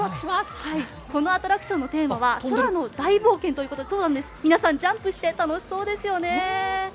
このアトラクションのテーマは空の大冒険ということで皆さんジャンプして楽しそうですよね。